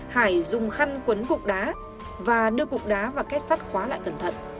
hải sẽ bán cục đá và đưa cục đá và két sắt khóa lại cẩn thận